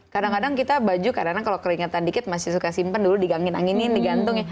kadang kadang kita baju kadang kadang kalau keringetan dikit masih suka simpen dulu digangin anginin digantung ya